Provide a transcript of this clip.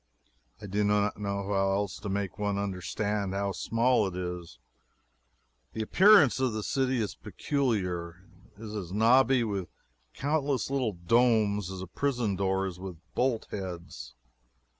I do not know how else to make one understand how small it is. The appearance of the city is peculiar. It is as knobby with countless little domes as a prison door is with bolt heads.